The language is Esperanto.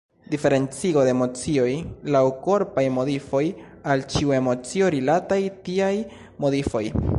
Diferencigo de emocioj laŭ korpaj modifoj: al ĉiu emocio rilataj tiaj modifoj.